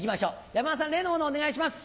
山田さん例の物をお願いします。